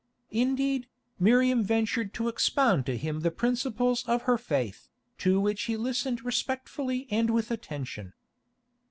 Indeed, Miriam ventured to expound to him the principles of her faith, to which he listened respectfully and with attention.